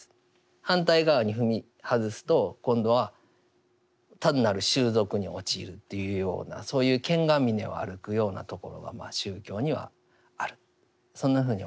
反対側に踏み外すと今度は単なる習俗に陥るというようなそういう剣が峰を歩くようなところが宗教にはあるそんなふうに思います。